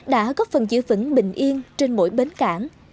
đã góp phần giữ vững bình yên trên mỗi bến cảng